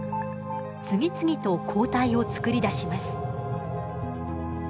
次々と抗体をつくり出します。